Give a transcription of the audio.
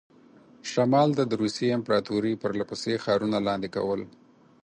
شمال ته د روسیې امپراطوري پرله پسې ښارونه لاندې کول.